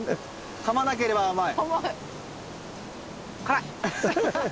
かまなければ甘い？